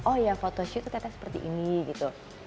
oh ya photoshoot itu ternyata seperti ini gitu